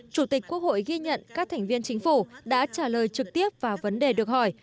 chủ tịch quốc hội ghi nhận các thành viên chính phủ đã trả lời trực tiếp vào vấn đề được hỏi